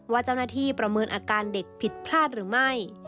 ว่าเจ้าหน้าที่ประเมินอาการเด็กผิดพลาดหรือไม่